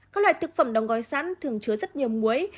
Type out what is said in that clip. các loại thực phẩm đóng gói sẵn thường chứa rất nhiều muối